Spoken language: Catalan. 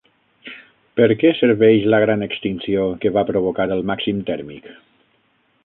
Per què serveix la gran extinció que va provocar el màxim tèrmic?